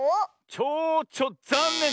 チョウチョざんねん！